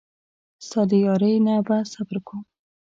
ستا د یارۍ نه به صبر کوم.